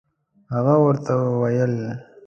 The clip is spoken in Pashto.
هغه ورته ویل.